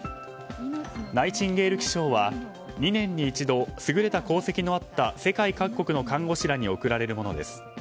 ナイチンゲール記章は２年に一度優れた功績のあった世界各国の看護師らに贈られるものです。